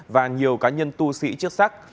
và nhiều cá nhân tu sĩ chức sắc